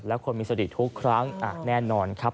และคนมีสติทุกครั้งแน่นอนครับ